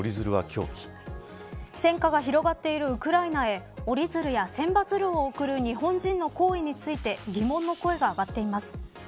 戦火が広がっているウクライナへ折り鶴や千羽鶴を送る日本人の行為について疑問の声が上がっています。